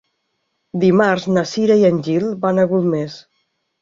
Dimarts na Cira i en Gil van a Golmés.